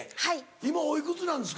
今おいくつなんですか？